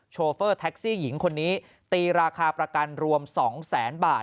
โฟเฟอร์แท็กซี่หญิงคนนี้ตีราคาประกันรวม๒แสนบาท